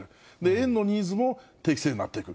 円のニーズも適正になっていく。